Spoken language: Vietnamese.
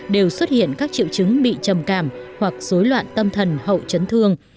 đều xuất hiện các triệu chứng bị trầm cảm hoặc dối loạn tâm thần hậu chấn thương